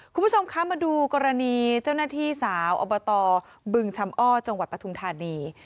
คุณผู้ชมคะมาดูกรณีเจ้าหน้าที่สาวอบตบึงชำอ้อจังหวัดปทุมธานี